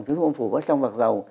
chiếc súng ôm phủ vắt trong vạc dầu